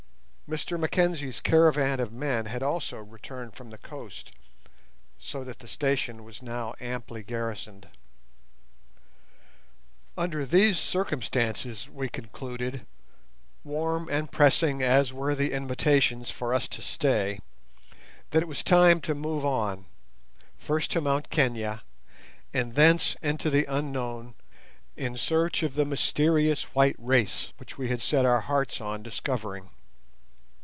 Mr Mackenzie's caravan of men had also returned from the coast, so that the station was now amply garrisoned. Under these circumstances we concluded, warm and pressing as were the invitations for us to stay, that it was time to move on, first to Mount Kenia, and thence into the unknown in search of the mysterious white race which we had set our hearts on discovering.